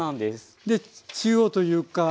で中央というか。